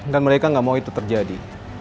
dan mereka gak mau itu terjadi